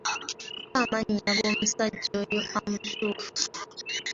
Mpa amannya g'omusajja oyo amatuufu.